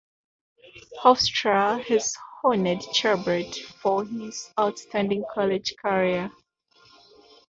Hofstra has honored Chrebet for his outstanding college career.